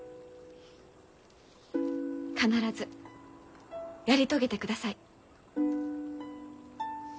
必ずやり遂げてください。